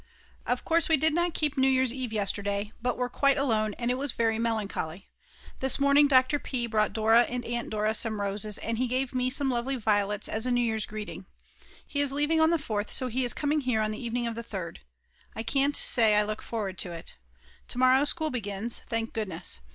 Of course we did not keep New Year's Eve yesterday, but were quite alone and it was very melancholy. This morning Dr. P. brought Dora and Aunt Dora some roses and he gave me some lovely violets as a New Year's greeting. He is leaving on the 4th, so he is coming here on the evening of the 3rd. I can't say I look forward to it. To morrow school begins thank goodness.